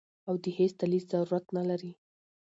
او د هېڅ دليل ضرورت نۀ لري -